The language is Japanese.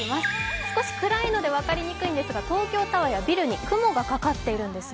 少し暗いので分かりにくいんですが東京タワーやビルに雲がかかっているんですね。